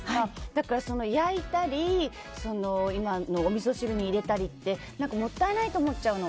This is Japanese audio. だから焼いたりおみそ汁に入れたりってもったいないと思っちゃうの。